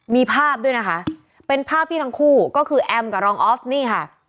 มีภาพด้วยนะคะเป็นภาพที่ทั้งคู่ก็คือแอมกับรองออฟนี่ค่ะ